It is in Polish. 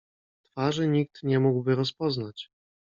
"Twarzy nikt nie mógłby rozpoznać."